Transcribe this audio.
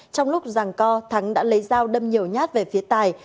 trong lúc rằng co thắng đã lấy dao đâm nhiều nhát về phía tài